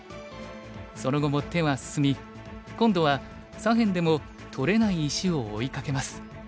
その後も手は進み今度は左辺でも取れない石を追いかけます。